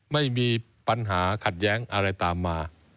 ไม่มีปัญหาขัดแย้งอะไรตามมา